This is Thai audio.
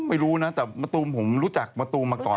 ไม่รู้นะแต่มะตูมผมรู้จักมะตูมมาก่อน